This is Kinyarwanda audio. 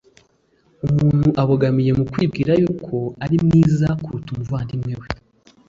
Umuntu abogamiye mu kwibwira yuko ari mwiza kumta umuvandimwe we,